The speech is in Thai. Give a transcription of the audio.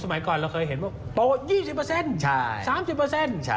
สมัยก่อนเราเคยเห็นว่าโต๒๐๓๐